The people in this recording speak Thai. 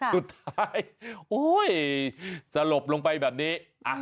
สุดท้ายสลบลงไปแบบนี้